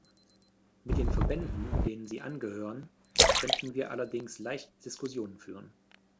Mit den Verbänden, denen sie angehören, könnten wir allerdings leicht Diskussionen führen.